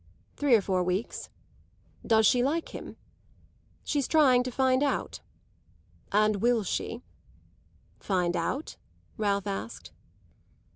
"Three or four weeks." "Does she like him?" "She's trying to find out." "And will she?" "Find out ?" Ralph asked.